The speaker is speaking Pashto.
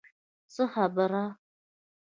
څه خبره.